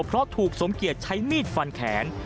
เพราะถูกสมเกียจใช้มีดฟันแขน